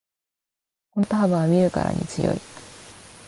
この肩幅は見るからに強い